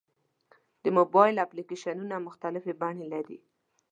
د موبایل اپلیکیشنونه مختلفې بڼې لري.